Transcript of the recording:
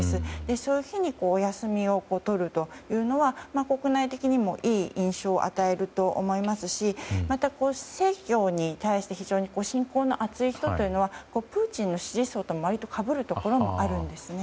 そういう日にお休みを取るというのは国内的にもいい印象を与えると思いますしまた、正教に対して非常に信仰の暑い層というのはプーチンの支持層とかぶるところもあるんですね。